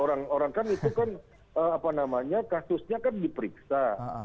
orang orang kan itu kan apa namanya kasusnya kan diperiksa